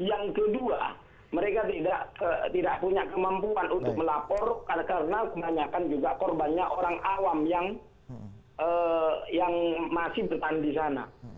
yang kedua mereka tidak punya kemampuan untuk melapor karena kebanyakan juga korbannya orang awam yang masih bertahan di sana